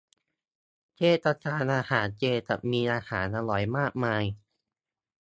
เทศกาลอาหารเจ จะมีอาหารอร่อยมากมาย